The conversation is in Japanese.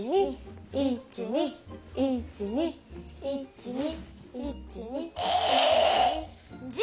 １２１２１２１２。